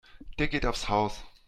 Der geht aufs Haus.